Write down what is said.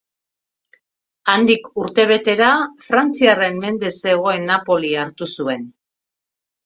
Handik urtebetera, Frantziaren mende zegoen Napoli hartu zuen.